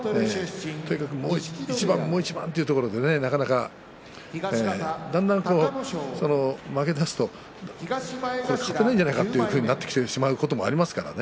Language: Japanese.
もう一番もう一番というところでだんだん負けだすと勝てないんじゃないかとなってしまうことがありますからね。